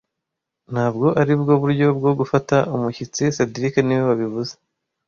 Ntabwo aribwo buryo bwo gufata umushyitsi cedric niwe wabivuze